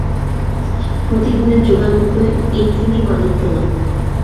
প্রতিদিনের জোগানমত এই ফুলই মালীর তোলা।